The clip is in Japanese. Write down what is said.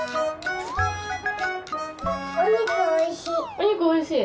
おにくおいしい。